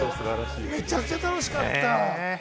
めちゃくちゃ楽しかった。